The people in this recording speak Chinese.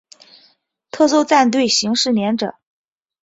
特搜战队刑事连者。